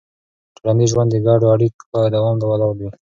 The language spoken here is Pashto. ټولنیز ژوند د ګډو اړیکو په دوام ولاړ وي.